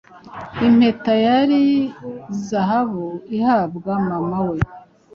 Impeta yari zahabu ihabwa mama we